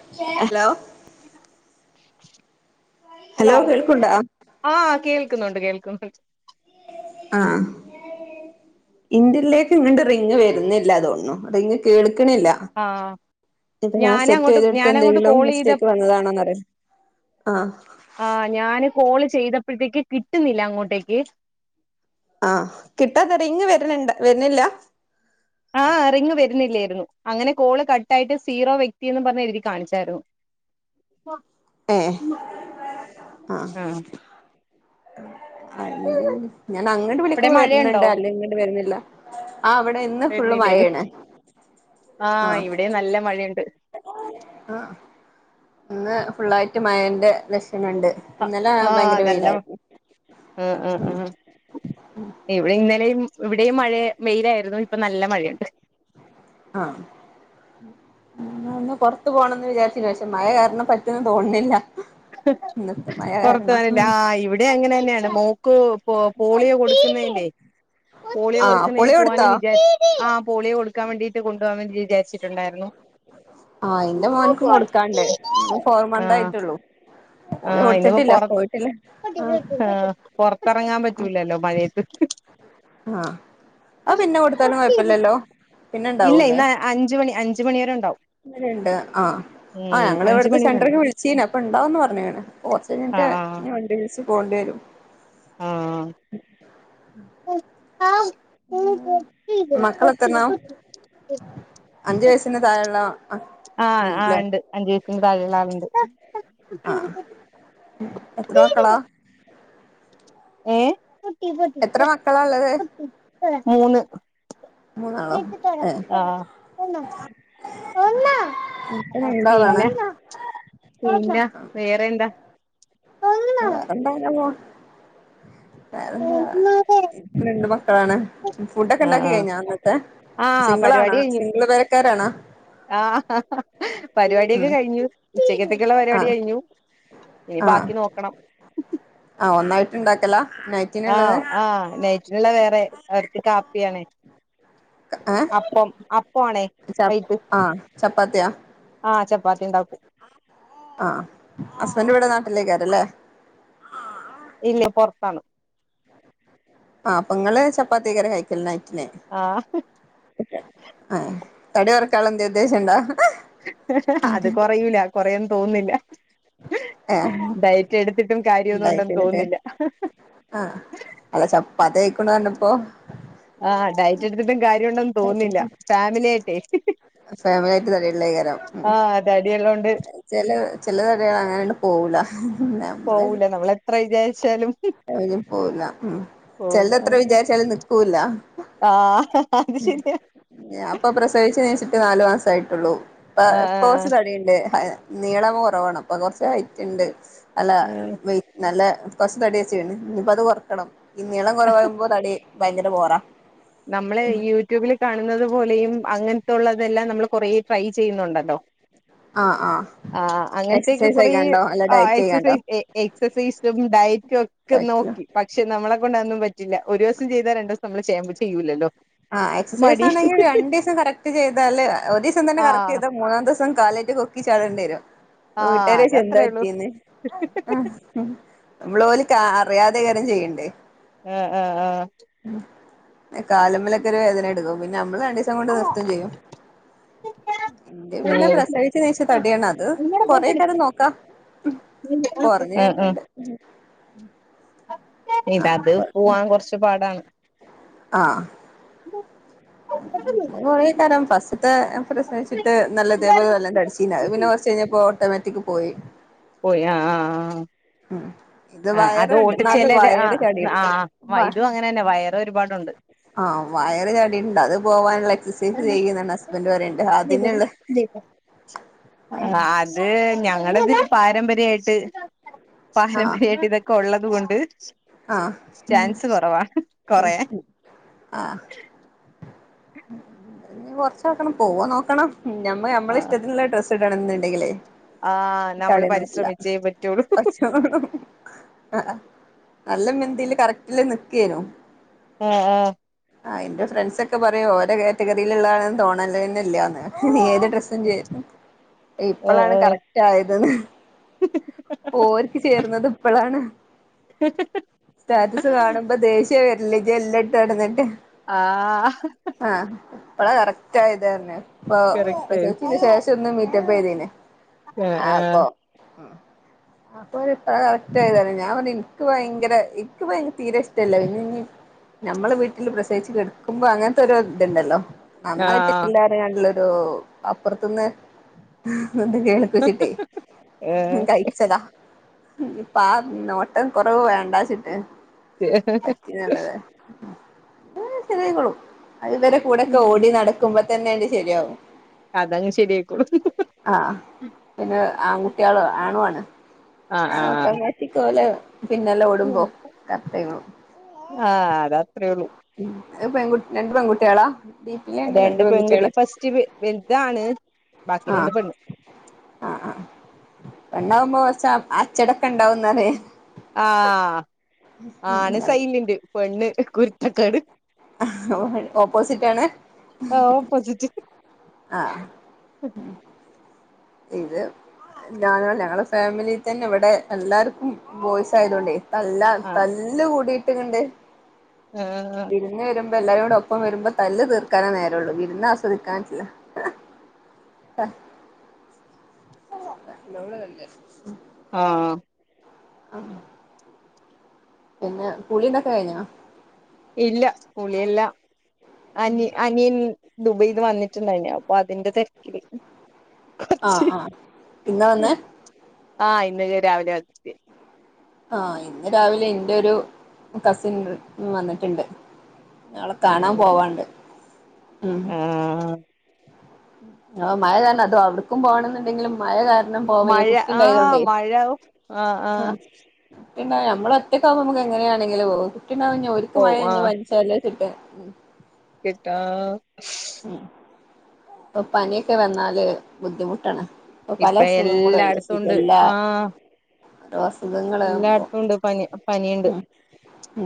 [unintelligible] hello hello ആ കേൾ കേക്കുന്നുണ്ട് കേൾക്ക ആആ ഇന്ത്യലേക്ക് ഇങ്ങോ് റിങ്ങ് വരുന്നില്ലാതോണു റിങ്ങ് കേ ആഹ് [unintelligible] സെറ്റ് ഞാനങ്ങോട്ട് ചെയ്തെടുത്ത് ഞാനങ്ങോട്ട് എന്തെങ്കിലും മിസ്റ്റേക്ക് വന്നതാണോന്ന്റിയോ ആ ഞാന് കോളേജ് ചെയ്തപ്പോഴത്തേക്ക് കിട്ടുന്നില്ല അങ്ങോട്ടേക്ക് ആ കിട്ടാതറിയ ഇങ്ങ് വരണ്ട വരുന്നില്ല ആ റിങ്ങ് വരുന്നില്ലായിരുന്നു അങ്ങനെ കോള് കട്ട ആായിട്ട് സീറോ വ്യക്തിന്ന് പറഞ്ഞ എഴുതി കാണിച്ചായിരുന്നു ഏ ആ ആഹ് അല്ല ഞാൻ അങ്ങോട്ട് അവിടെ വിളിക്കുമ്പോ മഴയുണ്ടോ വരുന്ണ്ട് അല്ല ഇങ്ങട്ട് വര്ന്ല്ല ആ അവിടെ ഇന്ന് ഫുള്ള് വരുന്നില്ലേല് മഴാണ് ആ ആഹ് ഇവിടെയും നല്ല മഴയുണ്ട് ആ ഇന്ന് ഫുള്ളായിട്ട് മയന്റെ ലക്ഷണണ്ട് ഇന്നെല ആഹ് ഭയങ്കര നല്ല വെയിലായിരുന്നു ആഹ് ആഹ് ആഹ് ഇവിടെ ഇന്നലെയും ഇവിടെയും മഴ വെയിലായിരുന്നു ഇപ്പൊ നല്ല മഴയുണ്ട് ആ പുറത്ത് പോണംന്ന് വിചാരിച്ചില്ല പക്ഷെ മഴ കാരണം പറ്റെന്ന് തോന്നില്ല പുറത്ത വന്നില്ല ആ ഇവിടെ അങ്ങനെ തന്നെയാണ് മോക്ക് പോളിയോ കൊടുക്കുന്നല്ലേ പോളിയോ ആഹ് പൊളി കൊടുക്കുന്നതിന് കൊടുത്തോ പോകാനുംവിചാരി ആ പോളിയോ കൊടുക്കാൻ വേണ്ടീട്ട് കൊണ്ട പോവാൻ വേണ്ട വിചാരിച്ചി ആ എന്റെ മോനക്കും കൊടുക്കണ്ട് ഫോർ മന്ത് ആയിട്ടുള്ളു ആ ഇന്നപ്പോൊറ ആഹ് ആ പൊറത്തിറങ്ങാൻ പറ്റൂലല്ലോ മഴയത്ത് ആ ആ പിന്നെ കൊടുത്താലും കുഴപ്പില്ലല്ലോ പിന്നെ ഇല്ല ണ്ടാവൂല്ലേ ഇന്ന് അഞ്ച് മണി അഞ്ച് മണി വരെ ഉണ്ടാവും അങ്ങനുണ്ട് ആ ആ ഉം ഞങ്ങള് അഞ്ച് ഇവിടുത്തെ മണി വരെ സെന്ററിക്ക് ഉണ്ടാവും വിളിച്ചന ഇപ്പ ഉണ്ടാവന്ന് പറഞ്ഞാണ് ഓർച്ച കഴിഞ്ഞിട്ട് ആഹ് ആഹ് വണ്ടി വിളച്ച് പോകേണ്ടി വരും [unintelligible] മക്കളെത്രണ്ണാ [unintelligible] അഞ്ചു വയസ്സിന് താഴെുള്ള ആ ആ ഉണ്ട് അഞ്ചു വയസിന്റെ താഴെയുള്ള ആളുണ്ട് ആഹ് എത്ര മക്കളാ ഏ എത്ര മക്കളള്ളത് മൂന്ന് അ ണ്ടാളാണ് പിന്ന വേറെ എന്താ ആഹ് വേറെന്ത അങ്ങനെ പോണു വേറെന്താ രണ്ടമക്ക ക്കളാണ് ഫുഡൊക്കെ ഉണ്ടാക്കി ആഹ് കഴിഞ്ഞാ അന്നത്തെ ആഹ് സിംഗിള ആണാ സിംഗിൾ പെരക്കാരാണാ ആ പരിപാടിയൊക്കെ കഴിഞ്ഞു ഉച്ചക്കത്തൊക്കെയള്ള ആ പരിപാടി കഴിഞ്ഞു ഏ ആ ബാക്കി നോക്കണം ണ്ടാക്കല്ല ആ ആ നൈറ്റിനുള്ള വേറെ അവർക്ക് കാപ്പിയാണ് ഏ അപ്പം അപ് ച ആ ചപ്പാത്തിയ ആഹ് ചപ്പാത്തി ഉണ്ടാക്കും ആ ഹസ്ബന്റിവിടെ നാട്ടിലെ ക്കാരലേ ഇല്ല പൊറത്താണ് ആ അപ്പൊ നിങ്ങള് ചപ്പാത്തി യേക്കരംലേ കഴിക്കല് ല്ലേ ആ ആ തടി കൊറക്കാനൊള്ള എന്തേ ഉദ്ദേശ്യവൊണ്ടോ അത് കൊറയൂല്ല കൊറയുന്ന് തോന്നുന്നില്ല ഏ ഡയറ്റ് എടുത്തിട്ടും കാര്യമൊന്നും ഉണ്ടായി ഉണ്ടെന്ന് ചെയ്തിട്ടേ തോന്നുന്നില്ല ആ അല്ല ചപ്പാത്തി കഴിക്കണൂന്ന് പറഞ്ഞപ്പോ ആ ഡയറ്റ് എടുത്തിട്ടും കാര്യം ഒണ്ടെന്ന് തോന്നുന്നില്ല ഫാമിലിയായിട്ടെ ഫാമിലി ആയിട്ട് ആ അതെ തടിയൊള്ളോണ്ട് ചെല ചെല തടികള് അങ്ങനെ അങ്ങോട്ട് പോവൂല്ല നമ്മള് ത്ര വിചാരിച്ചാലും ലും പോവൂല്ല ഉം പോവൂല ചെലത്ര വിചാരിച്ചാലും നിക്കൂല്ല ആഹ് അത് ശരിയാ ഞാ ഇപ്പൊ പ്രസവിച്ചേന് ശേഷം നാലു മാസേ ആയിട്ടുള്ളൂ ഇപ്പൊ ആഹ് ഇപ്പോ കൊറച്ച് ആഹ് തടിയുണ്ട് നീളം കൊറവാണ് അപ്പൊ കൊറച്ച് ഹൈറ്റ് ഉണ്ട് അല്ല ആഹ് വെയിറ്റ് നല്ല കൊറച് തടി വെച്ചിരുന്നു ഇനിപ്പൊ അത് കൊറയ്ക്കണം ഈ നീളം കൊറവാവുമ്പോ തടി ഭയങ്കര ബോറാ നമ്മള് യൂട്യൂബിൽ കാണുന്നത് പോലെയും അങ്ങനത്തെയുള്ളതെല്ലാം നമ്മള് കൊറേ ട്രൈ ചെയ്യുന്നൊണ്ടല്ലോ ആ ആ ആ അങ്ങനത്തെയൊക്കെ കൊറേ ആ ഡയറ്റ് ചെയ്യണ്ടോ എക്സസൈസും എക്സസൈസും ഡയറ്റും ഒക്കെ ഡയറ്റിലോ നോക്കി ക്കി പക്ഷെ നമ്മളെ കൊണ്ട് അതൊന്നും പറ്റില്ല ഒരു ദിവസം ചെയ്താ രണ്ടു ദിവസം നമ്മള് ചെയ്യാ ചെയ്യൂല്ലല്ലോ ആ എക്സസൈസ് ആണെങ്കിൽ രണ്ടു ദിവസം കറക്റ്റ് ചെയ്താല് ഒരു ദിവസം തന്നെ കറക്റ്റ് ആഹ് ചെയ്താ മൂന്നാം ദിവസം കാലായിട്ട് കൊക്കി ചാടേണ്ടി വരും പ്പൊ ആഹ് വീട്ടുകാര് ചോയിച്ച് എന്താ അതത്രേ ഉള്ളൂ പറ്റീന്ന് നമ്മള് ഓല് ക്ക് അറിയാതെയാണ് ചെയ്യണ്ടേ അ അ അ കാലുമേലൊക്കെ ഒരു വേദന എടുക്കും പിന്നെ നമ്മള് രണ്ടു ദിവസം കൊണ്ട് നിർത്തുവേം ചെയ്യും ആഹ് എന്റെ പിന്നെ ഉം പ്രസവിച്ചതിന് ശേഷം തടിയാണ് അത് ഉം കൊറെയ്ക്കാനും നോക്കാം കൊറഞ്ഞ് കേട്ടിട്ടൊണ്ട് ഇത് അത് പോവാൻ കൊറച്ചു പാടാണ് ആഹ് കൊറേ കാലം ഫസ്റ്റ്ത്തെ പ്രസവിച്ചിട്ട് നല്ല ഓട്ടോമാറ്റിക്ക് പോയി പോയി അ അ അ ഉം ഇത് ആ അത് വയറ്ണ്ട് നല്ല ഓട്ടിച്ചലരു വയറ് ചാടി [unintelligible] ആ ആ ഇതും അങ്ങനെ തന്നെയാ വയറ് ഒരുപാടുണ്ട് ആ വയറ് ചാടി ണ്ട് അത് പോവാനുള്ള എക്സസൈസ് ചെയ്യുന്നാണ് ഹസ്ബന്റ് പറയണ്ട് അതിനൊള്ള അത് ഞങ്ങടിത് പാരമ്പര്യായിട്ട് ആഹ് പാരമ്പര്യായിട്ട് ഇതൊക്കെ ഒള്ളത് കൊണ്ട് ആഹ് ചാൻസ് കൊറവാണ് കൊറയാൻ ഇനീ കൊറച്ച് നോക്കണം പോവാൻ നോക്കണം ഞമ്മള് ആ ഞമ്മടിഷ്ടത്തിനുള്ള ഡ്രസ് സിഡണം ന്നുണ്ടെങ്കിലേ ആ നമ്മള് ഇക്കാടേന്നു പറ്റില്ല പരിശ്രമിച്ചേ പറ്റുള്ളൂ കൊറച്ച് പോണം ആ ആ നല്ല മിന്തിയില് കറക്റ്റില് നിക്കേനു അ അ ആ എന്റെ ഫ്രണ്ട്സ് ഒക്കെ പറയും ഓര്ടെ കാറ്റഗറിയിലൊള്ള ആളാന്ന് തോണല് തന്നെയില്ലാന്ന് ഏതെടു ഡ്രസ്സും ചേരും ആ ഇപ്പോഴാണ് ആ കറക്റ്റ് ആയതെന്ന് ഓരിക്ക് ചേർന്നത് ഇപ്പോഴാണ് സ്റ്റാറ്റസ് കാണുമ്പോ ദേഷ്യം വരില്ലേ ഇജ്ജ് എല്ലാം ഇട്ടു നടന്നിട്ട് ആ ആ അപ്പള കറക്റ്റ് ആയതായിന്നെ ഇപ്പൊ കറക്റ്റ് പ്രേച്ചന് ശേഷം ഒന്ന് മീറ്റപ്പ് ചെയ്തീന് അപ്പോ ആഹ് അപ്പൊ ഇത്ര കറക്റ്റ് ആയതാല ഞാൻ പറ എനിക്ക് ഭയര ഭയങ്കര ഇക്ക ഭയങ്കര തീരെ ഇഷ്ട്ടല്ല ഇനി ഇ ഞമ്മളെ വീട്ടിൽ പ്രസവിച്ച് കെടുക്കുമ്പോ അങ്ങനത്തെൊര് ഇതുണ്ടല്ലോ നന്നായിട്ട് ആഹ് ഇല്ലാരുന്ജകണ്ടുള്ളൊരു അപ്പുറത്തന്ന് ഒന്ന് കേൾപ്പിച്ചിട്ടേ ആഹ് കഴിച്ചതാ ഇപ്പാ നോട്ടം കൊറവ് വേണ്ടാന്ന് വെച്ചിട്ട് പറ്റണില്ലാ ലെ സെരിയയ്ക്കോളും അത് ഇവരെ കൂടെ ഒക്കെ ഓടി നടക്കുമ്പോ തന്നെ ശെരിയാവും അതങ്ങ് ശരിയായിക്കോളും ആഹ് പിന്നെ ആൺകുട്ടികള് ആണുആണ് ആഹ് ആ ആഹ് ഓട്ടോമാറ്റിക് ഓലെ പിന്നാലേ ആഹ് അതത്രേ ഉള്ളു ഹ് പെൺകുട്ടി രണ്ട് പെൺകുട്ടികളാ ഡീപ്പിലുണ്ട് രണ്ട് പെൺകുട്ടി പെൺകുട്ടികള് ഫസ്റ്റ് വെ വെൽതാണ് ബാക്കി രണ്ട് പെണ്ണ് ആ് ആ പെണ്ണാവുമ്പോ കുറച്ച് അച്ചടക്കം ഉണ്ടാവുന്നാണ് ആ ആണ് സൈലിന്റ് പെണ്ണ് കുരുത്തക്കേട് അ ഹ ഓപ്പോസിറ്റാണ് ഓപ്പോസിറ്റ് ആഹ് ഇത് ഞാന ഞങ്ങളുടെ ഫാമിലിയിൽ തന്നെ ഇവിടെ എല്ലാവർക്കും ബോയ്സ് ആയതുകൊണ്ടേ തല്ല തല്ല് കൂടിയിട്ട്ങ്ങിട്ട് ആആ ഇ എല്ലാരും കൂടെ ഒപ്പം വരുമ്പോ തല്ല് തീർക്കാനേ നേരേള്ളൂ വിരുന്ന ആസ്വദിക്കാൻ പറ്റില്ല അ [unintelligible] ആഹ് അ പിന്നെ കുളിതൊക്കെ കഴിഞ്ഞോ ഇല്ല കുളിയെല്ലാം അനി അനിയൻ ദുബൈയിന്ന് വന്നിട്ടുണ്ടായിനി അപ്പൊ അതിന്റെ തിരക്കിലേനി ആഹ ഇന്നാ വന്നേ ആഹ് ഇന്ന് ലെ രാവിലെ എത്തി ആഹ് ഇന്ന് രാവിലെ ഇന്റെ ഒരു കസിൻ വന്നിട്ട്ണ്ട് നാളെ കാണാൻ പോവാണ്ട് ആഹ് ആ മഴ കാരണം അത് അവടക്കും പോണം ന്ന് ണ്ടെങ്കിലും മഴ കാരണം ന്ന് പോവേ മഴ ആഹ് കുട്ടിണ്ടായതുകൊണ്ടേ മഴ ആഹ് ആഹ് കുട്ടിണ്ടായ ഞമ്മളൊറ്റക്കാവുമ്പോ ഞമ്മക്കെങ്ങനായാലും കുട്ടിണ്ടാവുമ്പോ ഇഞ്ഞി ഓല്ക്ക് ഓ മഴ നനഞ്ഞു പനിച്ചാൽ ട്ട് കെട്ടാ പ്പോ പനിയൊക്കെ വന്നാല് ബുദ്ധിമുട്ടാണ് പ്പോ പല ഇപ്പ അസുഖങ്ങളു അല്ലെ എല്ലായിടത്തും ഉണ്ട് ഷിഗല്ല ആഹ് അസുഖങ്ങളാകുമ്പോ എല്ലായിടത്തും ഉണ്ട് പനി പനിയുണ്ട് ഉ ഉ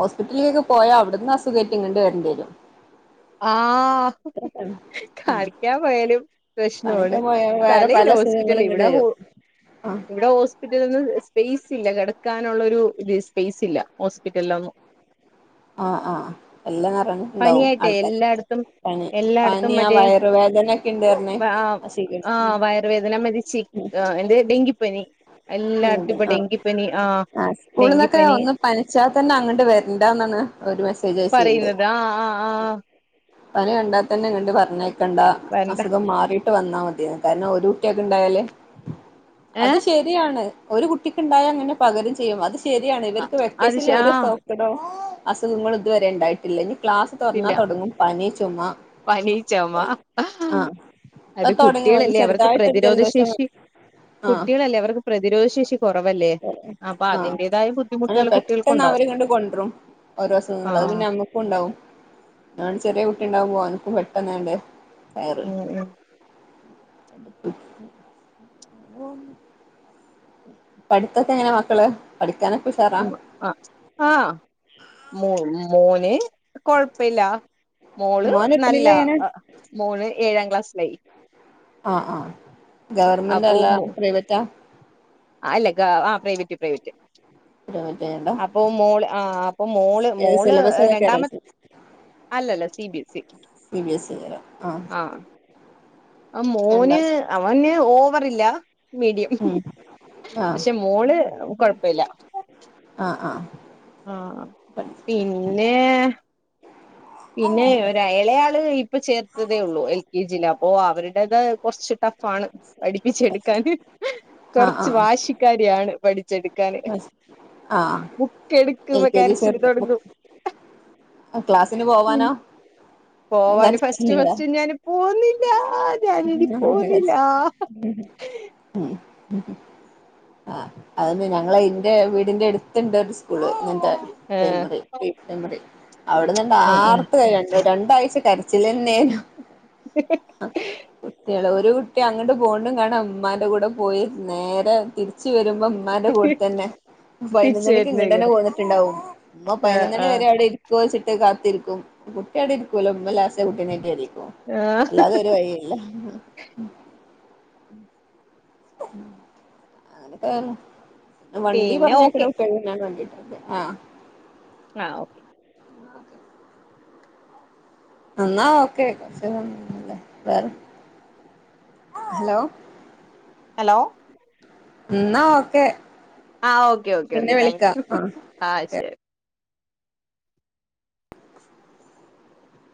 ഹോസ്പിറ്റലിലൊക്കെ പോയാ അവിടുന്ന് അസുഖമായിട്ട ഇങ്ങണ്ട് വരണ്ടി വരും ആആഹ് ഇത്രകെണ് കളിക്കാൻ പോയാലും പ്രശ്നമാണ് കാണിക്കാൻ പോയാ വേറെ തലേലെ പല അസുഖങ്ങളും ഹോസ്പിറ്റല് ഇങ്ങട് ഇവിടെ വരും ആഹ് ഇവിടെ ഹോസ്പിറ്റലൊന്നും സ്പേസ് ഇല്ല കിടക്കാൻ ഉള്ളൊരു സ്പേസ്യില്ല ഹോസ്പിറ്റലൊന്നും ആഹ് അ എല്ലാം നറഞ്ട്ട്ണ്ടാവും പ്പേ എല്ലായിടത്തും എല്ലാടത്തും ആ മറ്റേ വയറുവേദന ഒക്കെ ഉണ്ട് പറഞ്ഞ് ആ സിഗ ആ വയറുവേദന മതിച്ചി ആ എന്റെ ഡെങ്കിപ്പനി ഉം എല്ലായിടത്തും ഇപ്പൊ ആഹ് ഡെങ്കിപ്പനി ആ ആഹ് സ്കൂളിന്നൊക്കെ ഡെങ്കിപ്പനി ഒന്ന് പനിച്ചാ തന്നെ അങ്ങട്ട് വരണ്ടാന്നാണ് ഒരു മെസ്സേജ് അയച്ചീണ്ട് പറയുന്നത് ആ ആ ആ പനി കണ്ടാ തന്നെ ഇങ്ങട്ട് പറഞ്ഞയക്കണ്ടാ വരണ്ട അസുഖം മാറി ട്ട് വന്നാ മതിയെന്ന് കാരണം ഒരു കുട്ടിക്ക് ഉണ്ടായാല് ഏഹ് ആണ് ഒരു കുട്ടിക്ക് ഇണ്ടായലന്നെ പകരം ചെയ്യും അത് ശെരിയാണ് ഇവർക്ക് അത് വെക്കേഷനിൽ ആ ഓരോ സ്ട്ടോക്ക്ടോ അസുഖങ്ങൾ ഇതുവരെ ഉണ്ടായിട്ടില്ലനി ക്ലാസ് തുറന്നാ ഇല്ല തൊടങ്ങും പനി ചുമ പനി ചുമ ആഹ് പ്പൊ അത് തുടങ്ങി വന്ന് ചെറുതായിട്ടൊരു ജലദോഷം ആഹ് കുട്ടിക്കളല്ലേ അവർക്ക് പ്രതിരോധ ശേഷി കൊറവല്ലേ അപ്പൊ ആഹ് അതിന്റേതായ അങ്ങനെ ബുദ്ധിമുട്ടുകൾ പെട്ടെന്ന് കുട്ടികൾക്കുണ്ടാവും അവരിങ്ങട്ട് കൊണ്ടരും ഓരോ ആ അസുഖങ്ങൾ അത് പിന്നെ നമ്മുക്കും ഉണ്ടാവും ആൻ ചെറിയ കുട്ടിണ്ടാവുമ്പോ ഓന്ക്കും പെട്ടന്നങ്ങട്ട് ഉം ഉം പഠിത്തൊക്കെ എങ്ങനെ മക്കള് പഠി ഉം ആ ആഹ് മു മ് മോന് കൊഴപ്പില്ല മോള് മോൻ നല്ല എത്രയിലാണ് മോള് ഏഴാം ക്ലാസ്സിലായി ആഹ് ആഹ് ഗവർമെന്റ് അല്ല പ്രൈവെറ്റാ ആ അല്ല ആ പ്രൈവറ്റ് പ്രൈവറ്റ് പ്രൈവറ്റ് ഏതാ അപ്പൊ മോള് ആ അപ്പൊ മോള് ഏത് മോള് സിലബസ് ഏതാ കേരള രണ്ടാമത്തെ സിലബസ് അല്ലല്ല സി ബി എസ് ഇക്ക് സി ബി എസ് ഇ ഏതാ ആഹ് ആ രണ്ടോ മോന് അവന് ഓവറില്ല മീഡിയം ഉം ആഹ് പക്ഷെ മോള് കൊഴപ്പില്ല ആഹ് ആഹ് ആഹ് പഠിച്ചു പിന്നെ പിന്നെ ഒര് എളയാള് ഇപ്പൊ ചേർത്തതേ ഉള്ളൂ എൽ കെ ജിയില അപ്പൊ അവരുടേത് കൊറച്ച് ടഫാണ് പഠിപ്പിച്ചെടുക്കാന് ആഹ് കൊറച്ച് ആഹ് വാശിക്കാരിയാണ് പഠിച്ചെടുക്ക ക്കാന് ആഹ് ബുക്ക് എൽ എടുക്ക്മ്പ കെ ജി കരച്ചില് ചേർത്ത് തൊടങ്ങും ക്ലാസ്സിന് പോവാനോ പോവാന് ഫസ്റ്റ് ഫസ്റ്റ് ഞാൻ പോന്നി അങ്ങന വിചാരിച്ച് ഉം ഉം ആ അതന്നെ ഞങ്ങള് എന്റെ വീടിന്റെ എടുത്ത്ണ്ട് ഒരു സ്കൂള് ഇങത്തെ ആഹ് പ്രൈമറി പ്രീ പ്രൈമറി അവിടെന്ന്ണ്ട് ഉം ഉം ആർത്ത് കരയിണ് രണ്ട് രണ്ടാഴ്ച കര ചിലര്ന്നെ ഹി ഹി കുട്ടികള് ഒരു കുട്ടി അങ്ങോട്ട് പോക്ണ് കാണാ ഉമ്മാൻ്റെ കൂടെ പോയി നേരെ തിരിച്ച് വെരുമ്പം ഉമ്മാൻ്റെ കൂട തന്നെ തിരിച്ച് പതിനൊന്നണിക്ക് ഇങ്ങട്ടെന്നെ വരുന്നേക്കാരം പോന്നിട്ടുണ്ടാവും ഇമ്മ ആഹ് പതിനൊന്നണി ആഹ് വരെ അവിടെ ഇരിക്ക്യാച്ചിട്ട് കാ രിക്കും കുട്ടിയാടെ ഇരിക്കൂല്ലോ ഉമ്മ ലാസ്റ്റ് കുട്ടിനെട്ടിരിക്കും ആഹ് അങ്ങനക്കെ വണ്ടി പിന്നെ ഓക്കെ പറഞ്ഞെക്കലൊക്കാണ് ഞാൻ കണ്ടിട്ടിണ്ട് ആ ആ ഓക്കെ എന്നാ ഓക്കെ ഹലോ ഹലോ എന്നാ ഓക്കെ ആഹ ഓക്കെ ഓക്കെ പിന്നെ ഓക്കെ താങ്ക് വിളിക്കാം യു ആഹ് ആ ശരി